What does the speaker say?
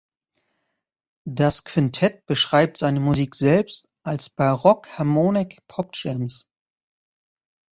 Das Quintett beschreibt seine Musik selbst als „baroque harmonic pop jams“.